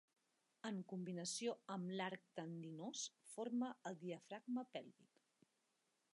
En combinació amb l'arc tendinós, forma el diafragma pèlvic.